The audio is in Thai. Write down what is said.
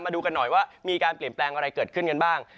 มาดูกันหน่อยว่ามีการเปลี่ยนแปลงอะไรเกิดขึ้นกันบ้าง